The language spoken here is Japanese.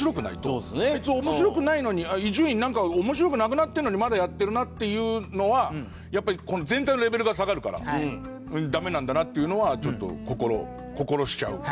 あいつ面白くないのに伊集院なんか面白くなくなってるのにまだやってるなっていうのはやっぱり全体のレベルが下がるからダメなんだなっていうのはちょっと心しちゃう感じです。